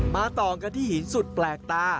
ต่อกันที่หินสุดแปลกตา